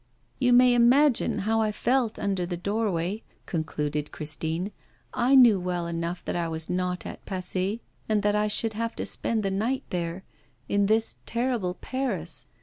'You may imagine how I felt under the doorway,' concluded Christine. 'I knew well enough that I was not at Passy, and that I should have to spend the night there, in this terrible Paris.